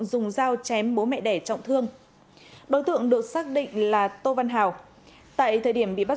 dùng dao chém bố mẹ đẻ trọng thương đối tượng được xác định là tô văn hào tại thời điểm bị bắt